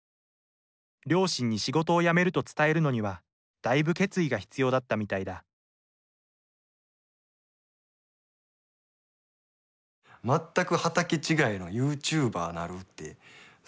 両親に仕事を辞めると伝えるのにはだいぶ決意が必要だったみたいだ全く畑違いのユーチューバーなるってそれはさすがに怒られましたね。